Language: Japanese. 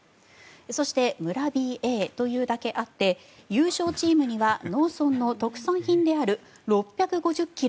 そして村ＢＡというだけあって優勝チームには農村の特産品である６５０ｋｇの牛。